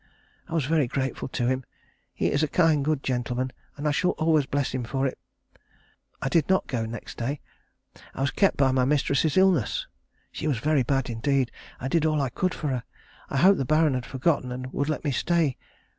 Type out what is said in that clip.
I was very grateful to him. He is a kind good gentleman, and I shall always bless him for it. I did not go next day. I was kept by my mistress's illness. She was very bad indeed. I did all I could for her. I hoped the Baron had forgotten and would let me stay.